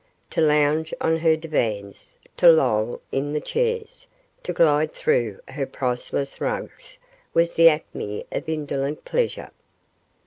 To lounge on her divans, to loll in the chairs, to glide through her priceless rugs was the acme of indolent pleasure.